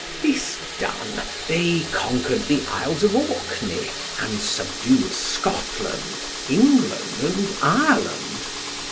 This done, they conquered the Isles of Orkney and subdued Scotland, England, and Ireland.